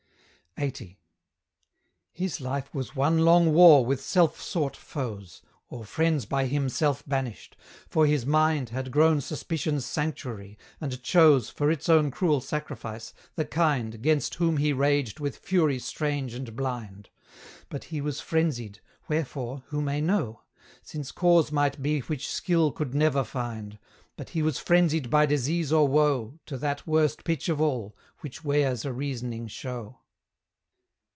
LXXX. His life was one long war with self sought foes, Or friends by him self banished; for his mind Had grown Suspicion's sanctuary, and chose For its own cruel sacrifice, the kind, 'Gainst whom he raged with fury strange and blind. But he was frenzied, wherefore, who may know? Since cause might be which skill could never find; But he was frenzied by disease or woe To that worst pitch of all, which wears a reasoning show.